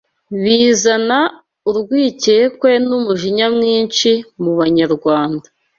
bizana urwikekwe n’umujinya mwinshi mu Banyarwanda